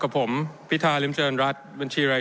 กับผมพิธาลิมเชิญรัฐบริมจริงส์